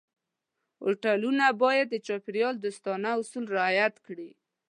هوټلونه باید د چاپېریال دوستانه اصول رعایت کړي.